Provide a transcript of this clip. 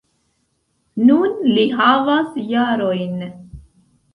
Nun li havas jarojn.